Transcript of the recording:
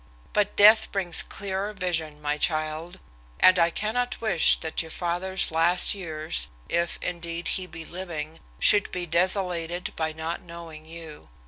But death brings clearer vision, my child, and I cannot wish that your father's last years, if, indeed, he be living should be desolated by not knowing you.